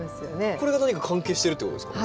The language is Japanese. これが何か関係してるってことですか？